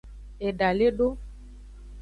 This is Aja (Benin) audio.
Eda le do.